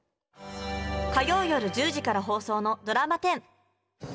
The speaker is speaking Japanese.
火曜夜１０時から放送の「ドラマ１０」。